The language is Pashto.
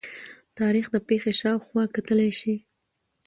تاریخ د پېښې شا او خوا کتلي شي.